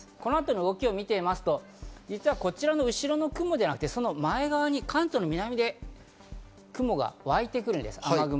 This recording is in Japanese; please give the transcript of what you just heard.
そのあとの動きを見てみますと実はこちらの後ろの雲ではなくて関東の南側で雲がわいてくるんです。